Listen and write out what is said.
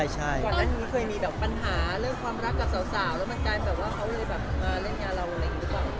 ตอนนั้นเคยมีปัญหาเรื่องความรักกับสาวแล้วมันกลายเป็นว่าเขาเลยมาเล่นงานเราหรือเปล่า